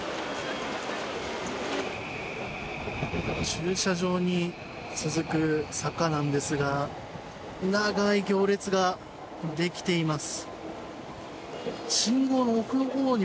駐車場に続く坂なんですが長い行列ができています。